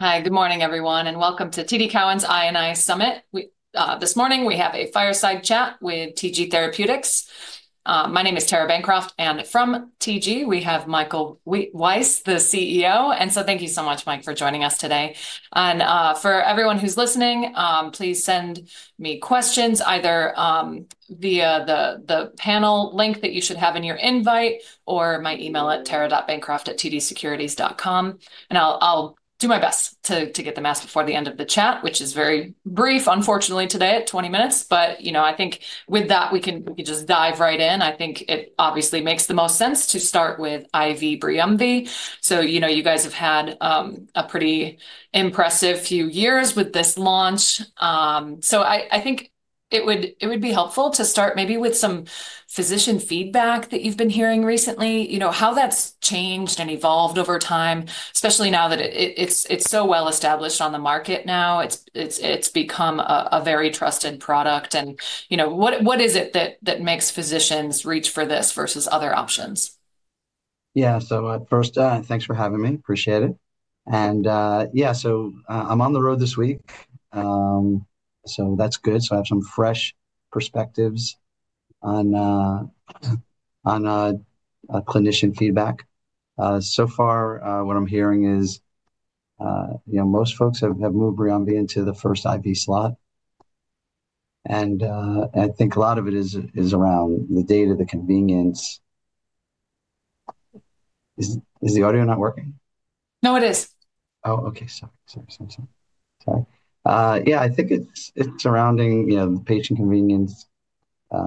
Hi, good morning, everyone, and welcome to TD Cowen's I and I Summit. This morning, we have a fireside chat with TG Therapeutics. My name is Tara Bancroft, and from TG, we have Michael Weiss, the CEO. Thank you so much, Mike, for joining us today. For everyone who's listening, please send me questions either via the panel link that you should have in your invite or my email at tara.bancroft@tdsecurities.com. I'll do my best to get them asked before the end of the chat, which is very brief, unfortunately, today at 20 minutes. You know, I think with that, we can just dive right in. I think it obviously makes the most sense to start with IV Briumvi. You guys have had a pretty impressive few years with this launch. I think it would be helpful to start maybe with some physician feedback that you've been hearing recently, you know how that's changed and evolved over time, especially now that it's so well established on the market now. It's become a very trusted product. You know, what is it that makes physicians reach for this versus other options? Yeah, first, thanks for having me. Appreciate it. Yeah, I'm on the road this week. That's good. I have some fresh perspectives on clinician feedback. So far, what I'm hearing is most folks have moved Briumvi into the first IV slot. I think a lot of it is around the data, the convenience. Is the audio not working? No, it is. Oh, OK. Sorry. Sorry. Yeah, I think it's surrounding the patient convenience.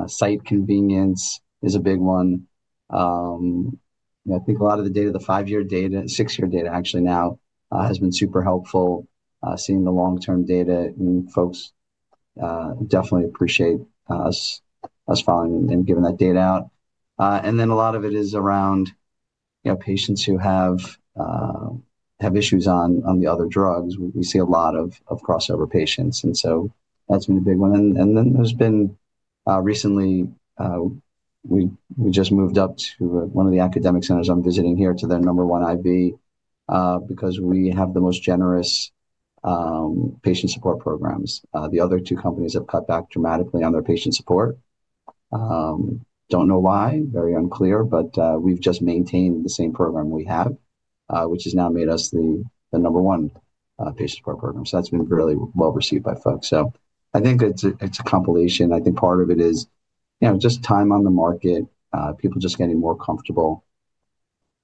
Site convenience is a big one. I think a lot of the data, the five-year data, six-year data actually now has been super helpful. Seeing the long-term data, folks definitely appreciate us following and giving that data out. A lot of it is around patients who have issues on the other drugs. We see a lot of crossover patients. That's been a big one. Recently, we just moved up to one of the academic centers I'm visiting here to their number one IV because we have the most generous patient support programs. The other two companies have cut back dramatically on their patient support. Don't know why, very unclear, but we've just maintained the same program we have, which has now made us the number one patient support program. That's been really well received by folks. I think it's a compilation. I think part of it is just time on the market, people just getting more comfortable,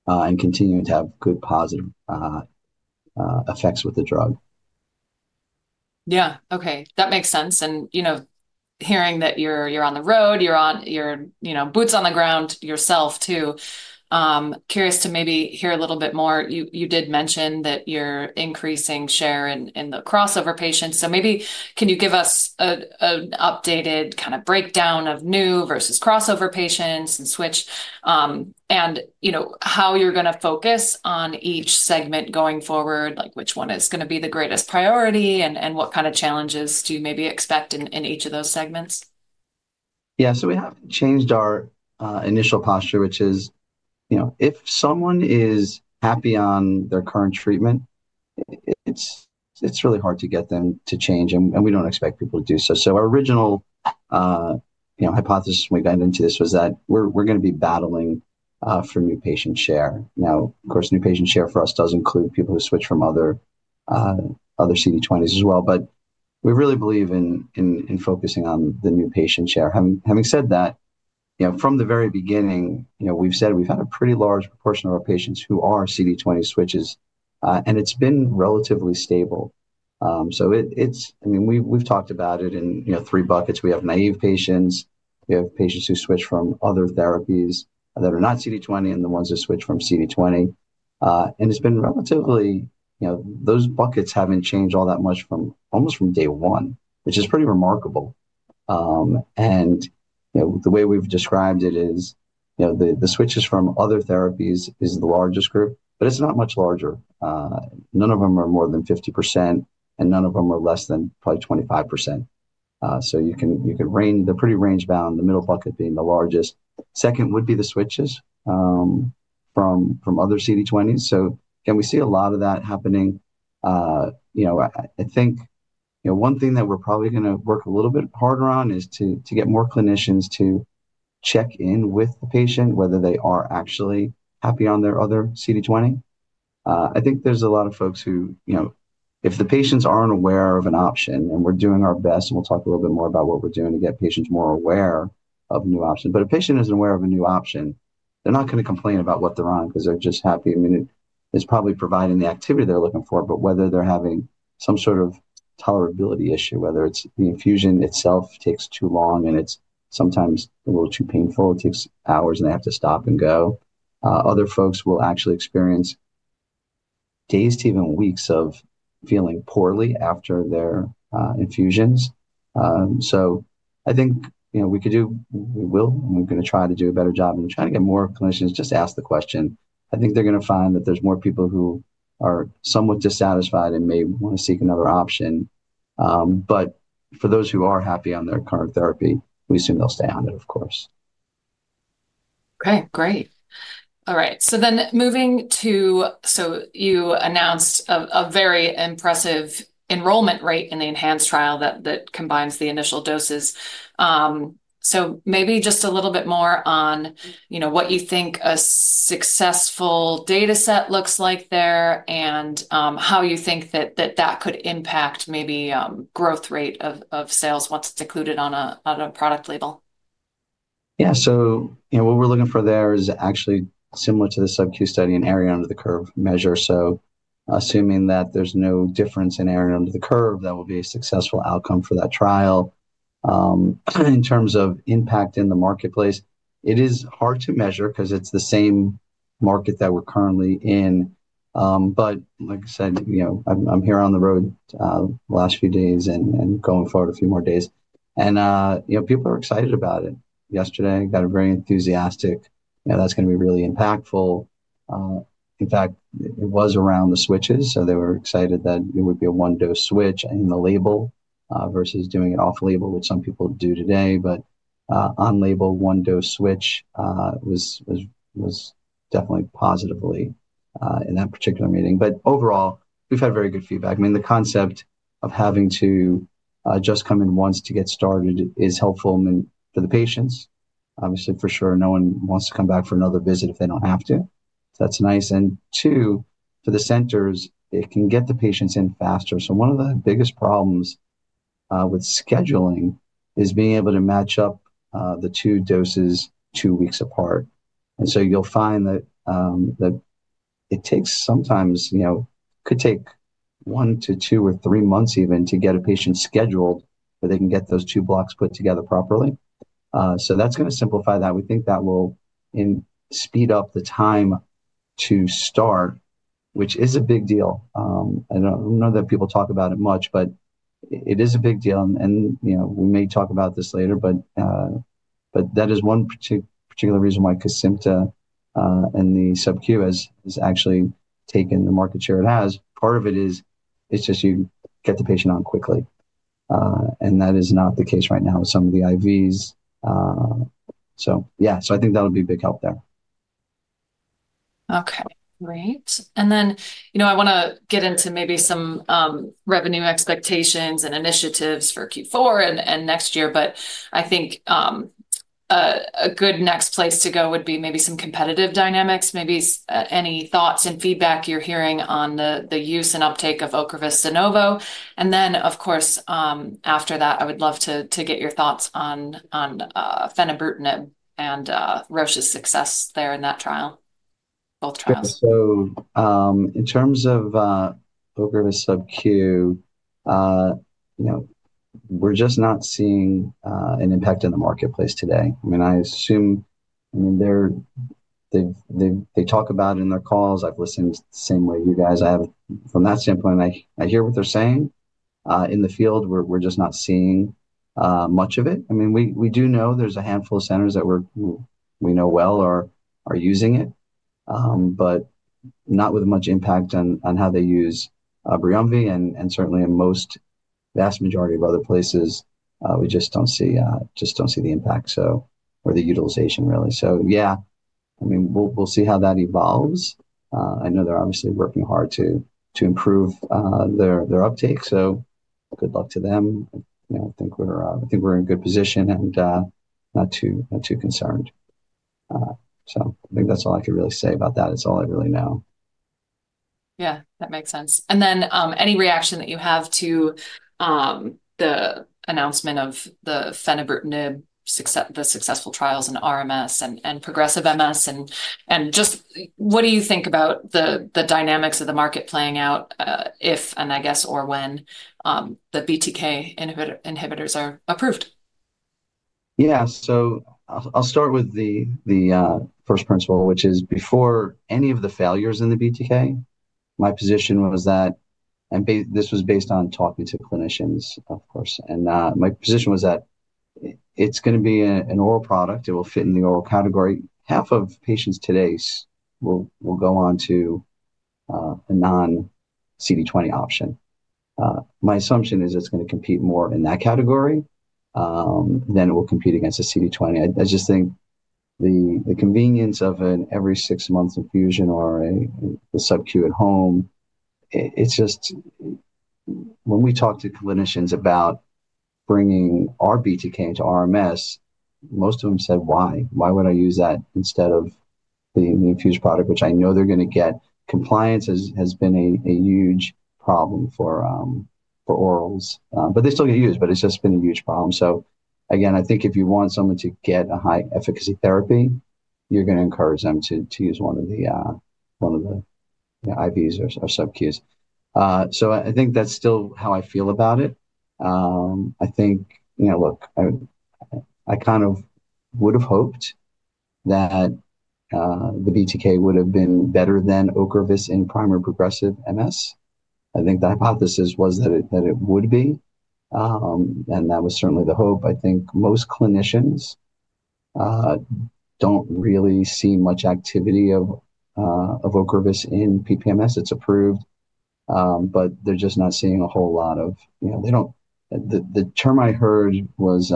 and continuing to have good positive effects with the drug. Yeah, OK. That makes sense. Hearing that you're on the road, you're boots on the ground yourself, too. Curious to maybe hear a little bit more. You did mention that you're increasing share in the crossover patients. Maybe can you give us an updated kind of breakdown of new versus crossover patients and switch and how you're going to focus on each segment going forward, like which one is going to be the greatest priority and what kind of challenges do you maybe expect in each of those segments? Yeah, so we have changed our initial posture, which is if someone is happy on their current treatment, it's really hard to get them to change. We don't expect people to do so. Our original hypothesis when we got into this was that we're going to be battling for new patient share. Now, of course, new patient share for us does include people who switch from other CD20s as well. We really believe in focusing on the new patient share. Having said that, from the very beginning, we've said we've had a pretty large proportion of our patients who are CD20 switches. It's been relatively stable. I mean, we've talked about it in three buckets. We have naive patients. We have patients who switch from other therapies that are not CD20 and the ones who switch from CD20. It's been relatively those buckets haven't changed all that much almost from day one, which is pretty remarkable. The way we've described it is the switches from other therapies is the largest group, but it's not much larger. None of them are more than 50%, and none of them are less than probably 25%. You can reign the pretty range bound, the middle bucket being the largest. Second would be the switches from other CD20s. Again, we see a lot of that happening. I think one thing that we're probably going to work a little bit harder on is to get more clinicians to check in with the patient whether they are actually happy on their other CD20. I think there's a lot of folks who, if the patients aren't aware of an option, and we're doing our best, and we'll talk a little bit more about what we're doing to get patients more aware of new options. If a patient isn't aware of a new option, they're not going to complain about what they're on because they're just happy. I mean, it's probably providing the activity they're looking for, but whether they're having some sort of tolerability issue, whether it's the infusion itself takes too long and it's sometimes a little too painful, it takes hours and they have to stop and go. Other folks will actually experience days to even weeks of feeling poorly after their infusions. I think we can do, we will. We're going to try to do a better job. We're trying to get more clinicians just to ask the question. I think they're going to find that there's more people who are somewhat dissatisfied and may want to seek another option. For those who are happy on their current therapy, we assume they'll stay on it, of course. OK, great. All right, so then moving to, you announced a very impressive enrollment rate in the enhanced trial that combines the initial doses. Maybe just a little bit more on what you think a successful data set looks like there and how you think that that could impact maybe growth rate of sales once it's included on a product label. Yeah, so what we're looking for there is actually similar to the SUB-Q study and area under the curve measure. Assuming that there's no difference in area under the curve, that will be a successful outcome for that trial. In terms of impact in the marketplace, it is hard to measure because it's the same market that we're currently in. Like I said, I'm here on the road the last few days and going forward a few more days. People are excited about it. Yesterday, I got a very enthusiastic, that's going to be really impactful. In fact, it was around the switches. They were excited that it would be a one-dose switch in the label versus doing it off-label, which some people do today. On-label one-dose switch was definitely positively in that particular meeting. Overall, we've had very good feedback. I mean, the concept of having to just come in once to get started is helpful for the patients. Obviously, for sure, no one wants to come back for another visit if they do not have to. That is nice. Two, for the centers, it can get the patients in faster. One of the biggest problems with scheduling is being able to match up the two doses two weeks apart. You will find that it takes sometimes could take one to two or three months even to get a patient scheduled where they can get those two blocks put together properly. That is going to simplify that. We think that will speed up the time to start, which is a big deal. I do not know that people talk about it much, but it is a big deal. We may talk about this later, but that is one particular reason why Kesimpta and the SUB-Q has actually taken the market share it has. Part of it is it's just you get the patient on quickly. That is not the case right now with some of the IVs. Yeah, I think that'll be a big help there. OK, great. I want to get into maybe some revenue expectations and initiatives for Q4 and next year. I think a good next place to go would be maybe some competitive dynamics, maybe any thoughts and feedback you're hearing on the use and uptake of Ocrevus de novo. Of course, after that, I would love to get your thoughts on fenebrutinib and Roche's success there in that trial, both trials. In terms of Ocrevus SUB-Q, we're just not seeing an impact in the marketplace today. I mean, I assume they talk about it in their calls. I've listened the same way you guys. From that standpoint, I hear what they're saying. In the field, we're just not seeing much of it. I mean, we do know there's a handful of centers that we know well are using it, but not with much impact on how they use Briumvi. Certainly, in the vast majority of other places, we just don't see the impact or the utilization, really. Yeah, I mean, we'll see how that evolves. I know they're obviously working hard to improve their uptake. Good luck to them. I think we're in a good position and not too concerned. I think that's all I could really say about that. It's all I really know. Yeah, that makes sense. Any reaction that you have to the announcement of the fenebrutinib, the successful trials in RMS and progressive MS? What do you think about the dynamics of the market playing out if, and I guess, or when the BTK inhibitors are approved? Yeah, so I'll start with the first principle, which is before any of the failures in the BTK, my position was that this was based on talking to clinicians, of course. My position was that it's going to be an oral product. It will fit in the oral category. Half of patients today will go on to a non-CD20 option. My assumption is it's going to compete more in that category than it will compete against a CD20. I just think the convenience of an every six-month infusion or a SUB-Q at home, it's just when we talked to clinicians about bringing our BTK into RMS, most of them said, why? Why would I use that instead of the infused product, which I know they're going to get? Compliance has been a huge problem for orals. They still get used, but it's just been a huge problem. Again, I think if you want someone to get a high-efficacy therapy, you're going to encourage them to use one of the IVs or SUB-Qs. I think that's still how I feel about it. I think, look, I kind of would have hoped that the BTK would have been better than Ocrevus in primary progressive MS. I think the hypothesis was that it would be. That was certainly the hope. I think most clinicians don't really see much activity of Ocrevus in PPMS. It's approved. They're just not seeing a whole lot. The term I heard with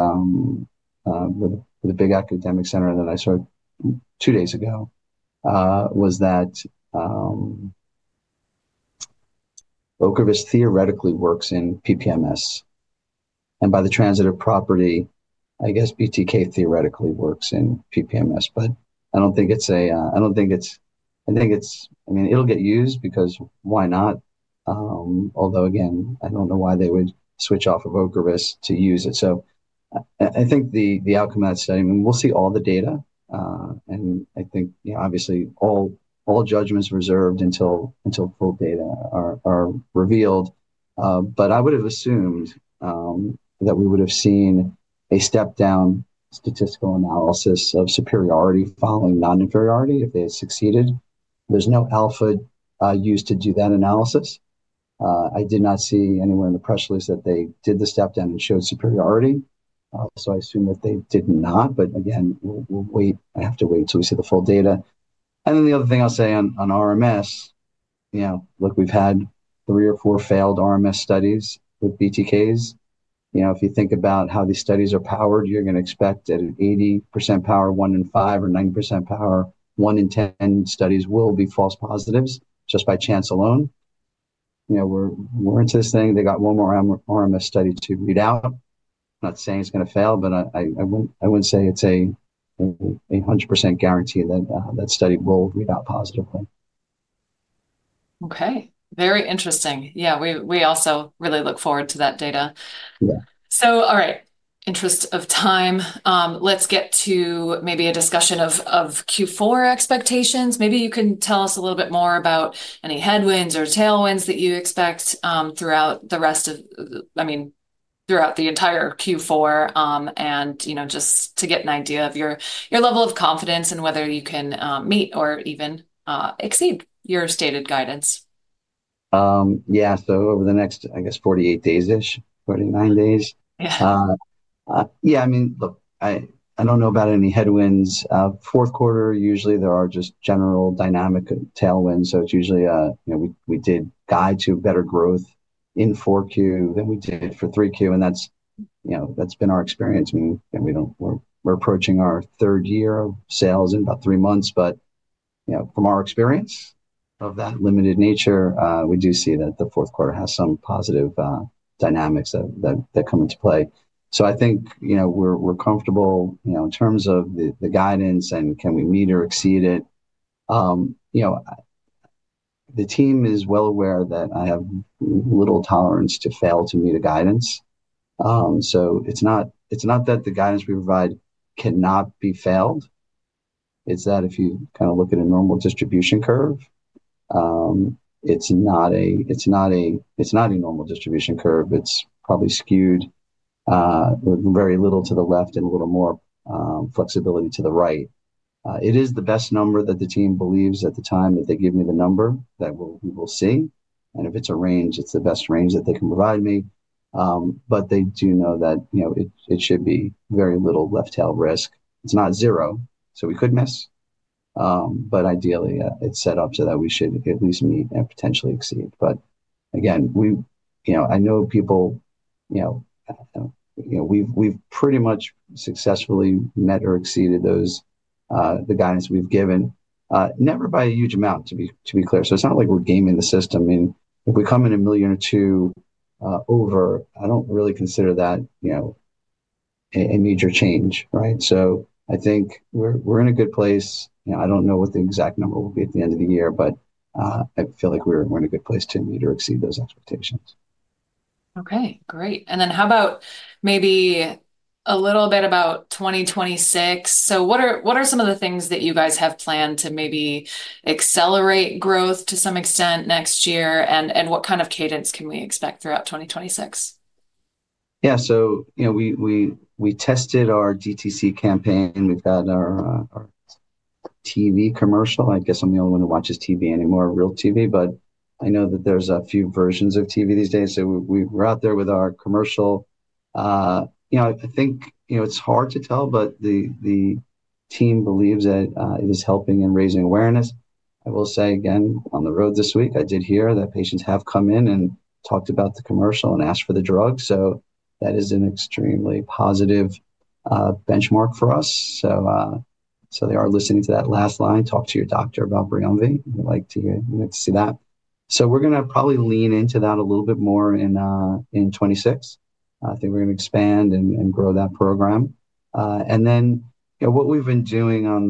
a big academic center that I saw two days ago was that Ocrevus theoretically works in PPMS. By the transitive property, I guess BTK theoretically works in PPMS. I don't think it's a, I mean, it'll get used because why not? Although, again, I don't know why they would switch off of Ocrevus to use it. I think the outcome of that study, I mean, we'll see all the data. I think, obviously, all judgments reserved until full data are revealed. I would have assumed that we would have seen a step-down statistical analysis of superiority following non-inferiority if they had succeeded. There's no alpha used to do that analysis. I did not see anywhere in the press release that they did the step-down and showed superiority. I assume that they did not. Again, we'll wait. I have to wait until we see the full data. The other thing I'll say on RMS, look, we've had three or four failed RMS studies with BTKs. If you think about how these studies are powered, you're going to expect at an 80% power one in five or 90% power one in 10 studies will be false positives just by chance alone. We're into this thing. They got one more RMS study to read out. I'm not saying it's going to fail, but I wouldn't say it's a 100% guarantee that that study will read out positively. OK, very interesting. Yeah, we also really look forward to that data. All right, interest of time, let's get to maybe a discussion of Q4 expectations. Maybe you can tell us a little bit more about any headwinds or tailwinds that you expect throughout the rest of, I mean, throughout the entire Q4 and just to get an idea of your level of confidence and whether you can meet or even exceed your stated guidance. Yeah, so over the next, I guess, 48 days-ish, 49 days. Yeah, I mean, look, I don't know about any headwinds. Fourth quarter, usually, there are just general dynamic tailwinds. It is usually we did guide to better growth in 4Q than we did for 3Q. That has been our experience. I mean, we're approaching our third year of sales in about three months. From our experience of that limited nature, we do see that the fourth quarter has some positive dynamics that come into play. I think we're comfortable in terms of the guidance and can we meet or exceed it. The team is well aware that I have little tolerance to fail to meet a guidance. It is not that the guidance we provide cannot be failed. It is that if you kind of look at a normal distribution curve, it is not a normal distribution curve. It's probably skewed with very little to the left and a little more flexibility to the right. It is the best number that the team believes at the time that they give me the number that we will see. And if it's a range, it's the best range that they can provide me. They do know that it should be very little left-tail risk. It's not zero, so we could miss. Ideally, it's set up so that we should at least meet and potentially exceed. Again, I know people, we've pretty much successfully met or exceeded the guidance we've given, never by a huge amount, to be clear. It's not like we're gaming the system. I mean, if we come in a million or two over, I don't really consider that a major change, right? I think we're in a good place. I don't know what the exact number will be at the end of the year, but I feel like we're in a good place to meet or exceed those expectations. OK, great. How about maybe a little bit about 2026? What are some of the things that you guys have planned to maybe accelerate growth to some extent next year? What kind of cadence can we expect throughout 2026? Yeah, so we tested our DTC campaign. We've had our TV commercial. I guess I'm the only one who watches TV anymore, real TV. I know that there's a few versions of TV these days. We were out there with our commercial. I think it's hard to tell, but the team believes that it is helping in raising awareness. I will say, again, on the road this week, I did hear that patients have come in and talked about the commercial and asked for the drug. That is an extremely positive benchmark for us. They are listening to that last line, talk to your doctor about Briumvi. We like to see that. We're going to probably lean into that a little bit more in 2026. I think we're going to expand and grow that program. What we have been doing on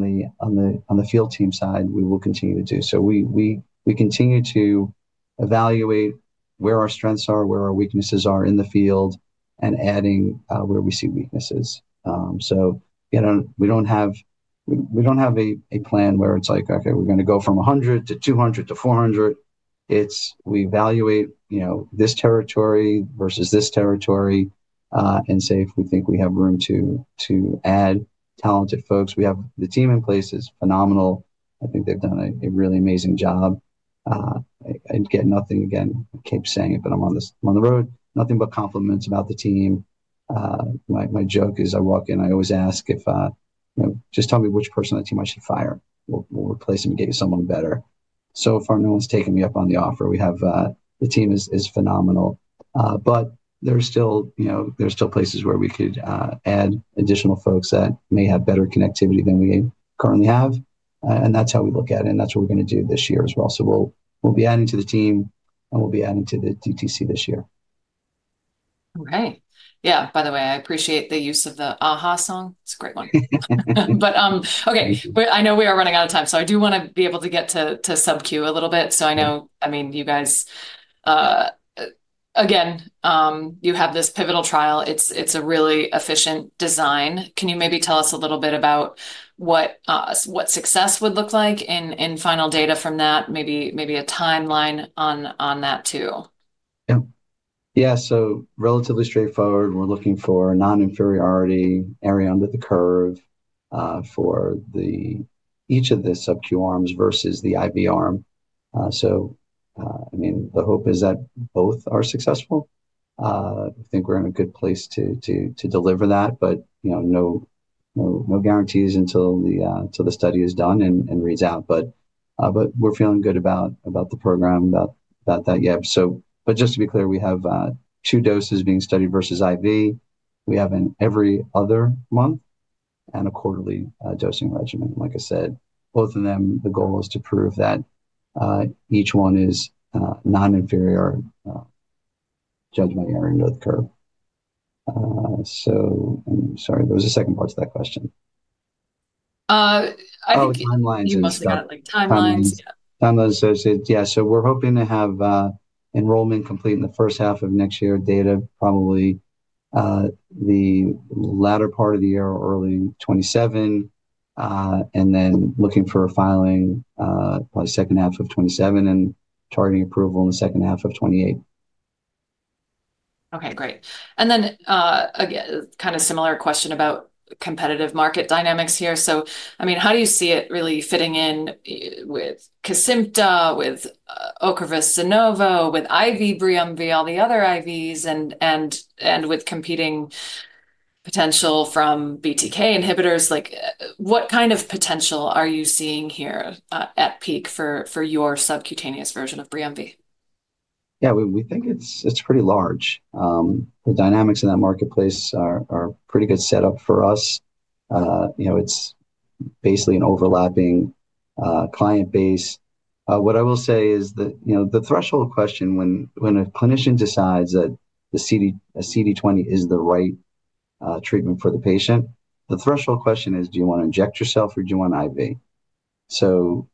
the field team side, we will continue to do. We continue to evaluate where our strengths are, where our weaknesses are in the field, and adding where we see weaknesses. We do not have a plan where it is like, OK, we are going to go from 100 to 200 to 400. We evaluate this territory versus this territory and see if we think we have room to add talented folks. We have the team in place. It is phenomenal. I think they have done a really amazing job. I get nothing, again, I keep saying it, but I am on the road, nothing but compliments about the team. My joke is I walk in, I always ask if just tell me which person on the team I should fire. We will replace them and get you someone better. So far, no one's taken me up on the offer. The team is phenomenal. There are still places where we could add additional folks that may have better connectivity than we currently have. That's how we look at it. That's what we're going to do this year as well. We'll be adding to the team, and we'll be adding to the DTC this year. OK. Yeah, by the way, I appreciate the use of the A-ha song. It's a great one. OK, I know we are running out of time. I do want to be able to get to SUB-Q a little bit. I know, I mean, you guys, again, you have this pivotal trial. It's a really efficient design. Can you maybe tell us a little bit about what success would look like in final data from that, maybe a timeline on that too? Yeah, yeah, so relatively straightforward. We're looking for a non-inferiority area under the curve for each of the SUB-Q arms versus the IV arm. I mean, the hope is that both are successful. I think we're in a good place to deliver that, but no guarantees until the study is done and reads out. We're feeling good about the program, about that yet. Just to be clear, we have two doses being studied versus IV. We have an every other month and a quarterly dosing regimen. Like I said, both of them, the goal is to prove that each one is non-inferior, judgment area under the curve. I'm sorry, there was a second part to that question. I think you must have got timelines. Timelines associated, yeah. So we're hoping to have enrollment complete in the first half of next year, data probably the latter part of the year or early 2027, and then looking for filing probably second half of 2027 and targeting approval in the second half of 2028. OK, great. And then kind of similar question about competitive market dynamics here. I mean, how do you see it really fitting in with Kesimpta, with Ocrevus de novo, with IV Briumvi, all the other IVs, and with competing potential from BTK inhibitors? What kind of potential are you seeing here at peak for your subcutaneous version of Briumvi? Yeah, we think it's pretty large. The dynamics in that marketplace are pretty good setup for us. It's basically an overlapping client base. What I will say is that the threshold question when a clinician decides that a CD20 is the right treatment for the patient, the threshold question is, do you want to inject yourself or do you want IV? So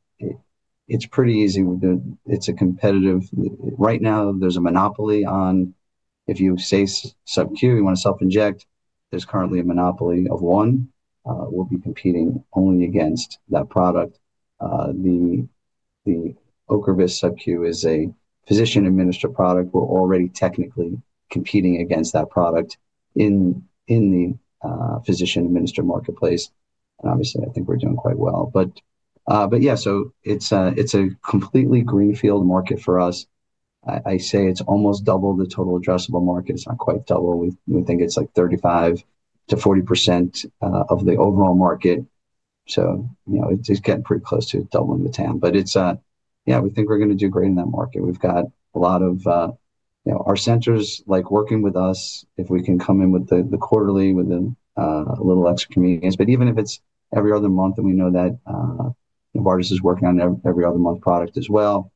it's pretty easy. It's a competitive. Right now, there's a monopoly on if you say SUB-Q, you want to self-inject, there's currently a monopoly of one. We'll be competing only against that product. The Ocrevus SUB-Q is a physician-administered product. We're already technically competing against that product in the physician-administered marketplace. Obviously, I think we're doing quite well. Yeah, so it's a completely greenfield market for us. I say it's almost double the total addressable market. It's not quite double. We think it's like 35%-40% of the overall market. It's getting pretty close to doubling the TAM. Yeah, we think we're going to do great in that market. We've got a lot of our centers like working with us if we can come in with the quarterly with a little extra convenience. Even if it's every other month, and we know that Novartis is working on every other month product as well,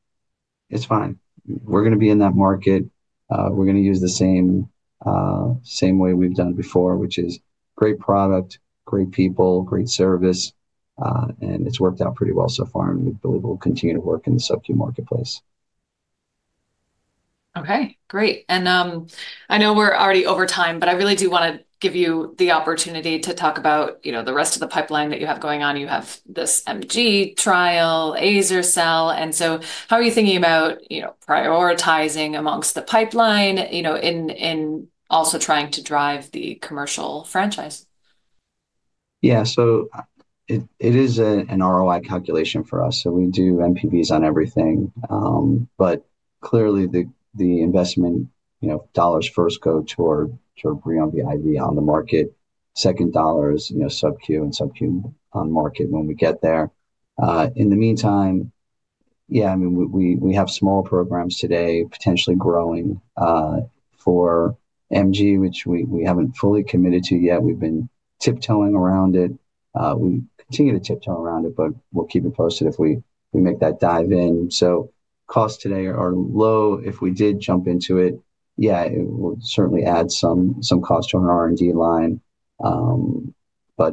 it's fine. We're going to be in that market. We're going to use the same way we've done before, which is great product, great people, great service. It's worked out pretty well so far. We believe we'll continue to work in the SUB-Q marketplace. OK, great. I know we're already over time, but I really do want to give you the opportunity to talk about the rest of the pipeline that you have going on. You have this MG trial, azer-cel. How are you thinking about prioritizing amongst the pipeline in also trying to drive the commercial franchise? Yeah, so it is an ROI calculation for us. So we do NPVs on everything. But clearly, the investment dollars first go toward Briumvi IV on the market, second dollars SUB-Q and SUB-Q on market when we get there. In the meantime, yeah, I mean, we have small programs today potentially growing for MG, which we have not fully committed to yet. We have been tiptoeing around it. We continue to tiptoe around it, but we will keep you posted if we make that dive in. So costs today are low. If we did jump into it, yeah, it will certainly add some cost to our R&D line.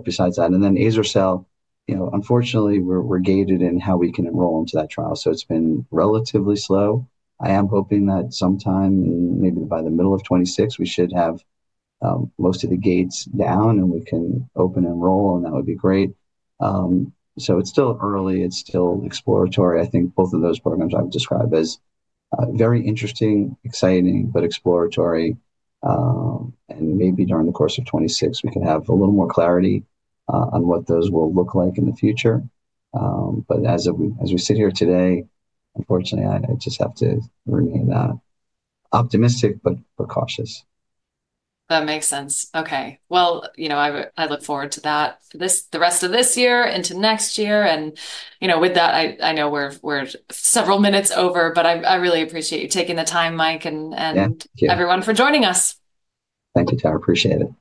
Besides that, and then azer-cel, unfortunately, we are gated in how we can enroll into that trial. It has been relatively slow. I am hoping that sometime maybe by the middle of 2026, we should have most of the gates down and we can open enroll, and that would be great. It is still early. It is still exploratory. I think both of those programs I would describe as very interesting, exciting, but exploratory. Maybe during the course of 2026, we can have a little more clarity on what those will look like in the future. As we sit here today, unfortunately, I just have to remain optimistic but cautious. That makes sense. OK, I look forward to that the rest of this year into next year. With that, I know we're several minutes over, but I really appreciate you taking the time, Mike, and everyone for joining us. Thank you, Tara. Appreciate it.